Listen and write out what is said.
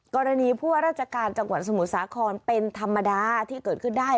ผู้ว่าราชการจังหวัดสมุทรสาครเป็นธรรมดาที่เกิดขึ้นได้